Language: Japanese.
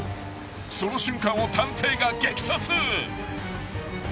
［その瞬間を探偵が激撮］